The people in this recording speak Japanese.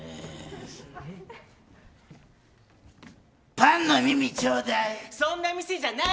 パンの耳ちょうだい！